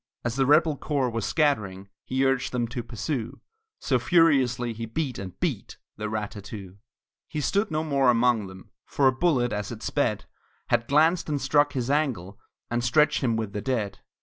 As the rebel corps was scattering He urged them to pursue, So furiously he beat, and beat The rat tat too! He stood no more among them, For a bullet, as it sped, Had glanced and struck his ankle, And stretched him with the dead!